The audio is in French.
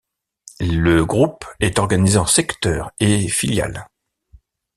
Le groupe est organisé en secteurs et filiales.